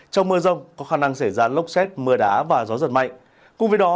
trong mưa rông có khả năng xảy ra lốc xét mưa đá và gió giật mạnh